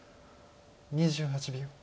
２８秒。